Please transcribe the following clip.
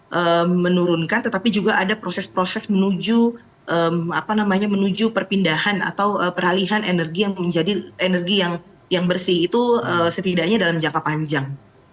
tidak menurunkan tetapi juga ada proses proses menuju apa namanya menuju perpindahan atau peralihan energi yang menjadi energi yang bersih itu setidaknya dalam jangka panjang